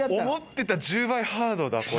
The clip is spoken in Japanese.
思ってた１０倍ハードだ。